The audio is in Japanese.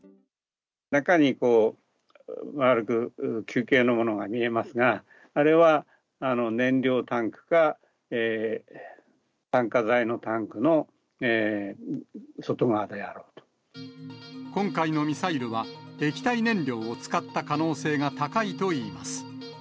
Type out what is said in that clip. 中に丸く、球形のものが見えますが、あれは燃料タンクか、今回のミサイルは、液体燃料を使った可能性が高いといいます。